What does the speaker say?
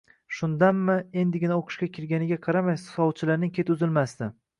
Shundanmi, endigina o`qishga kirganiga qaramay, sovchilarning keti uzilmasdi